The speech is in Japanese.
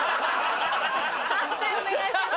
判定お願いします。